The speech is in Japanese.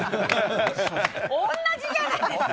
同じじゃないですか。